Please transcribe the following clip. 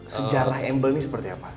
sejarah embel ini seperti apa